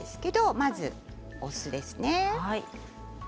まずお酢ですね。